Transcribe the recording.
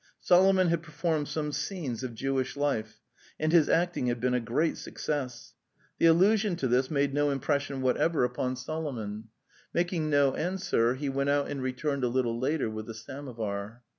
Solomon had performed some scenes of Jewish life, and his acting had been a great success. 'The allu sion to this made no impression whatever upon Solo The Steppe 193 mon. Making no answer, he went out and returned a little later with the samovar.